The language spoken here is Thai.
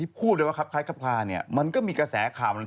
พูดว่าครับคลายครับคลาเนี่ยมันก็มีกระแสข่าว